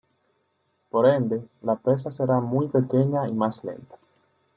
Por ende, la presa será muy pequeña y más lenta.